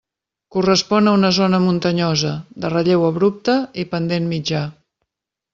Correspon a una zona muntanyosa, de relleu abrupte i pendent mitjà.